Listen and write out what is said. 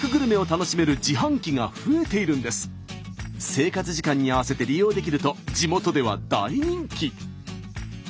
生活時間に合わせて利用できると地元では大人気。